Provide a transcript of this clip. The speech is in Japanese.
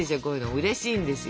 うれしいんですよ。